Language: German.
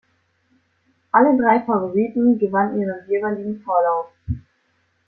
Alle drei Favoriten gewannen ihren jeweiligen Vorlauf.